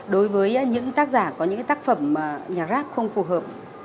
đối với những tác giả có những cái tác phẩm nhạc rap không phù hợp